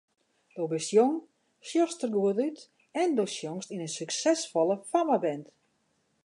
Do bist jong, sjochst der goed út en do sjongst yn in suksesfolle fammeband.